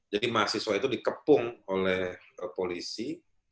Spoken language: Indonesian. jadi mahasiswa itu dikepung oleh polisi